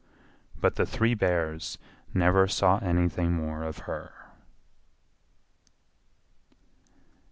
But the three Bears never saw anything more of her.